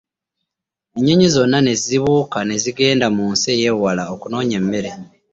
Ennyonyi zonna ne zibuuka ne zigenda mu nsi ez' ewala okunoonya emmere.